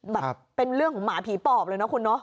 แบบเป็นเรื่องของหมาผีปอบเลยนะคุณเนาะ